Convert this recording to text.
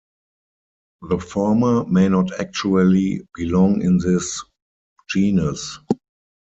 The former may not actually belong in this genus.